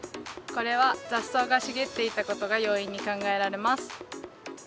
これは雑草が茂っていたことが要因に考えられます。